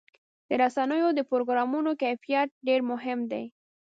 د رسنیو د پروګرامونو کیفیت ډېر مهم دی.